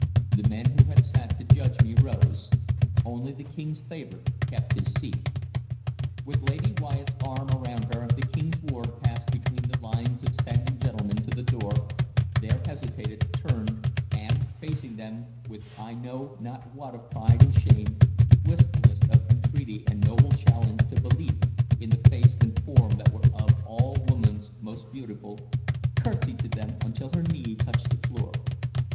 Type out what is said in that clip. The men who had sat to judge me rose; only the King's favorite kept his seat. With Lady Wyatt's arm about her, the King's ward passed between the lines of standing gentlemen to the door, there hesitated, turned, and, facing them with I know not what of pride and shame, wistfulness of entreaty and noble challenge to belief in the face and form that were of all women's most beautiful, curtsied to them until her knee touched the floor.